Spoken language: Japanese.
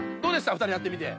２人やってみて。